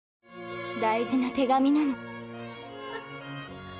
大事な手紙なの。